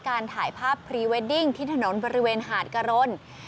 การถ่ายภาพพรีเวดดิ้งที่ถนนบริเวณหาดกะรน